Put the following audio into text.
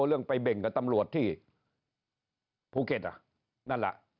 เรื่องไปเบ่งกับตำรวจที่ภูเก็ตอ่ะนั่นแหละ